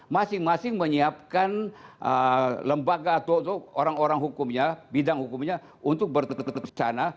masing masing menyiapkan lembaga atau orang orang hukumnya bidang hukumnya untuk bertukar ke sana